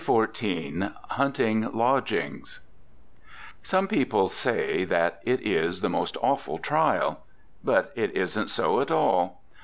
XIV HUNTING LODGINGS Some people say that it is the most awful trial. But it isn't so at all.